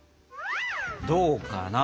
どうかな？